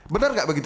benar tidak begitu